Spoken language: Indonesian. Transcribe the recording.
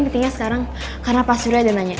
mendingnya sekarang karena pak suraya udah nanya